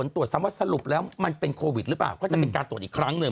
ตรวจซ้ำว่าสรุปแล้วมันเป็นโควิดหรือเปล่าก็จะเป็นการตรวจอีกครั้งหนึ่ง